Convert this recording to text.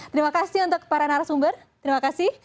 terima kasih untuk para narasumber terima kasih